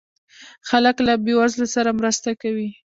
خلک له بې وزلو سره مرسته کوي.